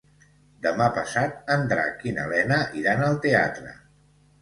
Demà passat en Drac i na Lena iran al teatre.